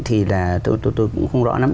thì là tôi cũng không rõ lắm